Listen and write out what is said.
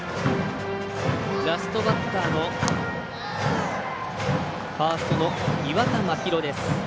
ラストバッターのファーストの岩田真拡です。